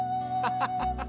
ハハハハ！